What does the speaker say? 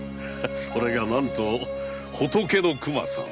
それが何と“仏の熊さん”